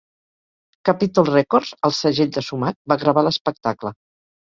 Capitol Records, el segell de Sumac, va gravar l'espectacle.